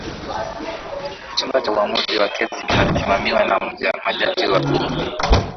chumba cha uamuzi wa kesi kinasimamiwa na majaji wakuu